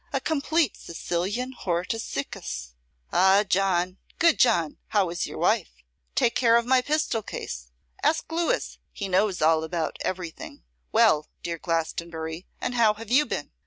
a complete Sicilian Hortus Siccus. Ah, John, good John, how is your wife? Take care of my pistol case. Ask Louis; he knows all about everything. Well, dear Glastonbury, and how have you been?